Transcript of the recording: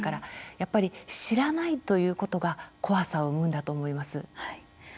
やっぱり知らないということが怖さを生むんだと思います。